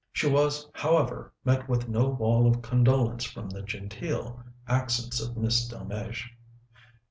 She was, however, met with no wail of condolence from the genteel accents of Miss Delmege.